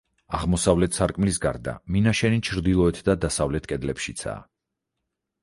აღმოსავლეთ სარკმლის გარდა, მინაშენი ჩრდილოეთ და დასავლეთ კედლებშიცაა.